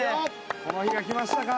この日が来ましたか。